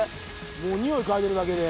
もう匂い嗅いでるだけで。